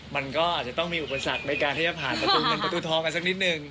มันก็อาจจะต้องมีอุปสรรคในการที่จะผ่านประตูเงินประตูทองกันสักนิดนึง